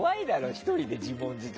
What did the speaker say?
１人で自問自答。